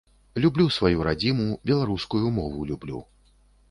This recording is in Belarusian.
Люблю сваю радзіму, беларускую мову люблю.